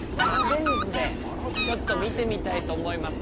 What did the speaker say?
電図でちょっと見てみたいと思います。